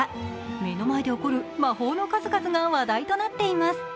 目の前で起こる魔法の数々が話題となっています。